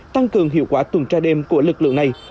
tăng cường hiệu quả tuần tra đêm của lực lượng này